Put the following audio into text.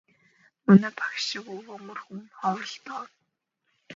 Манай багш шиг өгөөмөр хүн ч ховор доо.